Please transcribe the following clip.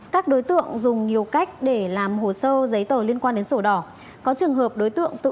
các đối tượng dùng nhiều cách để làm hồ sơ giấy tờ liên quan đến sổ đỏ có trường hợp đối tượng tự